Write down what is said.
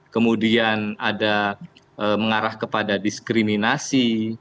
kemudian ada mengarah kepada diskriminasi